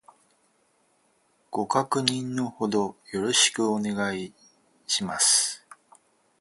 ご確認の程よろしくお願いいたします